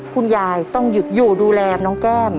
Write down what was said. คุณยายต้องหยุดอยู่ดูแลน้องแก้ม